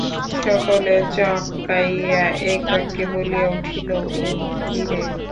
সকলে চমকিয়া একবাক্যে বলিয়া উঠিল, ও কী রে।